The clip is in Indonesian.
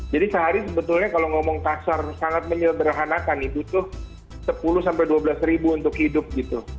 jadi sehari sebetulnya kalau ngomong kasar sangat menyederhanakan itu tuh sepuluh dua belas ribu untuk hidup gitu